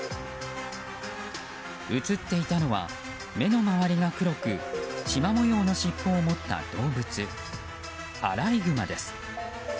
映っていたのは、目の周りが黒くしま模様の尻尾を持った動物アライグマです。